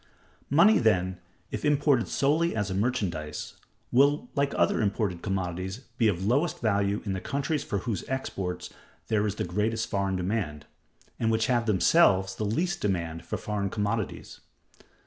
Money, then, if imported solely as a merchandise, will, like other imported commodities, be of lowest value in the countries for whose exports there is the greatest foreign demand, and which have themselves the least demand for foreign commodities.